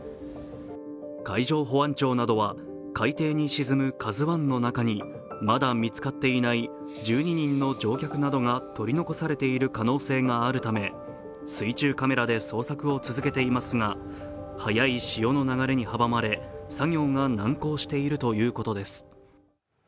海上保安庁などは海底に沈む「ＫＡＺＵⅠ」の中にまだ見つかっていない１２人の乗客などが取り残されている可能性があるため、水中カメラで捜索を続けていますが、はやい潮の流れに阻まれ作業が難航しているということです。